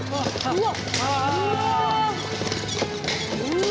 うわ！